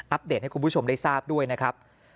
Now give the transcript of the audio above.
เดตให้คุณผู้ชมได้ทราบด้วยนะครับ